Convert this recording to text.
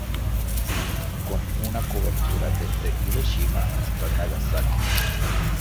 Con una cobertura desde Hiroshima hasta Nagasaki.